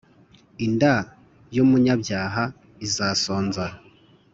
inda y’umunyabyaha izasonza